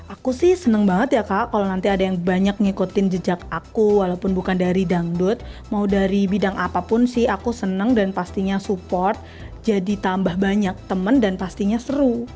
aku sih seneng banget ya kak kalau nanti ada yang banyak ngikutin jejak aku walaupun bukan dari dangdut mau dari bidang apapun sih aku seneng dan pastinya support jadi tambah banyak temen dan pastinya seru